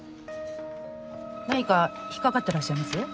何か引っ掛かってらっしゃいます？